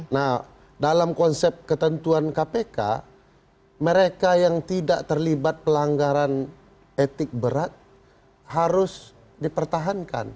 nah dalam konsep ketentuan kpk mereka yang tidak terlibat pelanggaran etik berat harus dipertahankan